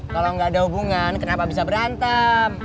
kalo gak ada hubungan kenapa bisa berantem